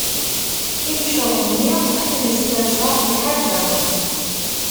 Imceḍ-nni ad t-nessers ɣef lḥaǧa.